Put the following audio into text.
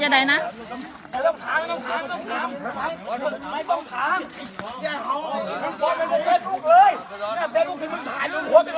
พ่อหนูเป็นใคร